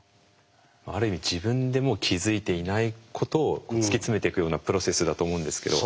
ある意味自分でも気付いていないことを突き詰めていくようなプロセスだと思うんですけど。